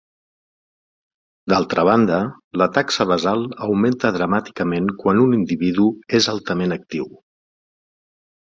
D'altra banda, la taxa basal augmenta dramàticament quan un individu és altament actiu.